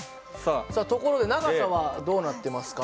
ところで長さはどうなってますか？